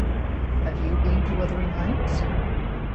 Have you been to Wuthering Heights?